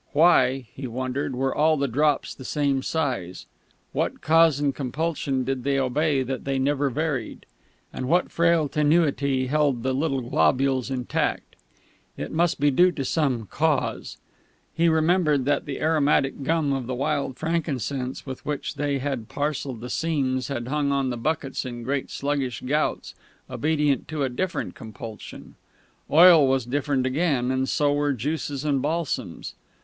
Why (he wondered) were all the drops the same size? What cause and compulsion did they obey that they never varied, and what frail tenuity held the little globules intact? It must be due to some Cause.... He remembered that the aromatic gum of the wild frankincense with which they had parcelled the seams had hung on the buckets in great sluggish gouts, obedient to a different compulsion; oil was different again, and so were juices and balsams.